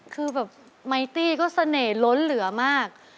คือแบบไมตี้ก็เสน่ห์ล้นเหลือมาก